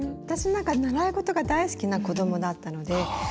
私なんか習い事が大好きな子どもだったので。